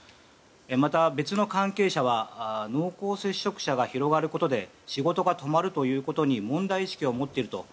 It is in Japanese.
また、別の関係者は濃厚接触者が広がることで仕事が止まるということに問題意識を持っていると。